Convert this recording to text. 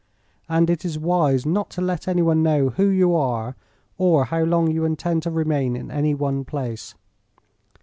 And it is wise not to let anyone know who you are or how long you intend to remain in any one place.